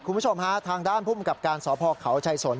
คุณผู้ชมฮะทางด้านภูมิกับการสพเขาชัยสน